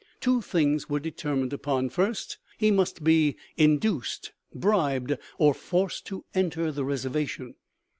Two things were determined upon: First, he must be induced, bribed, or forced to enter the reservation.